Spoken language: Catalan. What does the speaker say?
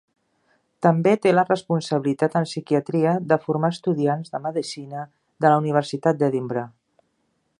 També té la responsabilitat en psiquiatria de formar estudiants de medicina de la Universitat d'Edimburg.